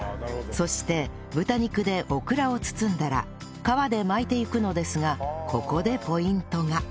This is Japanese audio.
そして豚肉でオクラを包んだら皮で巻いていくのですがここでポイントが